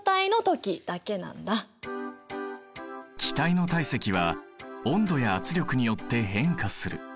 気体の体積は温度や圧力によって変化する。